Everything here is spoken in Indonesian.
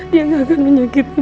dia nggak akan menyakiti